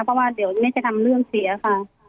เพราะว่าเดี๋ยวนี้จะทำเรื่องเสียค่ะ